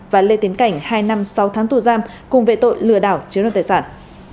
và lê tiến cảnh hai năm sáu tháng tù giam cùng về tội lừa đảo chiếu nốt thể sản